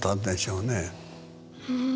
うん。